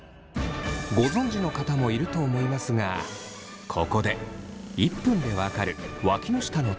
ご存じの方もいると思いますがここで１分で分かるわきの下の特徴。